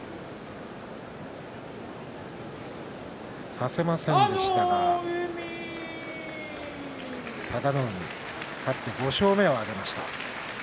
差せませんでしたが佐田の海勝って５勝目を挙げました。